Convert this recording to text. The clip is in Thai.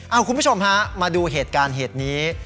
เอาคุณผู้ชมฮะมาดูเหตุการณ์เหตุนี้